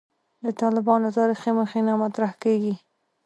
د «طالبانو تاریخي مخینه» مطرح کېږي.